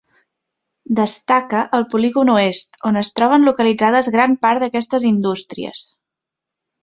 Destaca el polígon oest, on es troben localitzades gran part d'aquestes indústries.